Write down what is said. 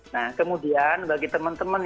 nah kemudian bagi teman teman